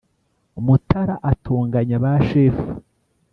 Mutara atonganya ba shefu